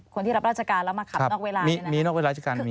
คนที่รับราชการแล้วมาขับนอกเวลา